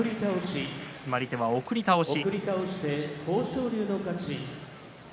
決まり手は送り倒し。